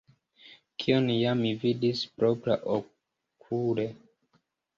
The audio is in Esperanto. Kion ja mi vidis propraokule?